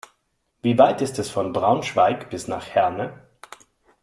Wie weit ist es von Braunschweig bis nach Herne?